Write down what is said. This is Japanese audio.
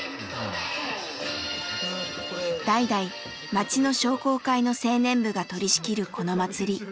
代々町の商工会の青年部が取りしきるこの祭り。